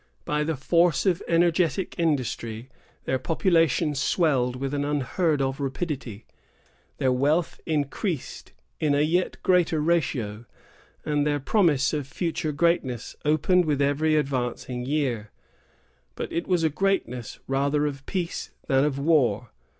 By the force of energetic industry, their population swelled with an unheard of rapidity, their wealth increased in a yet greater ratio, and their promise of future greatness opened with every advancing year. But it was a greatness rather of peace than of war.